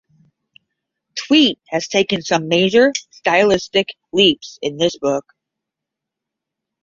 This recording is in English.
Tweet has taken some major stylistic leaps in this book.